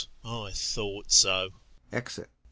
I thought so! [Exit.